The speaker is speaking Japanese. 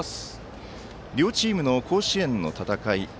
両チームの甲子園の戦い。